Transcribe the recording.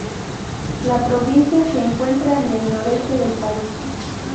La provincia se encuentra en el noreste del país.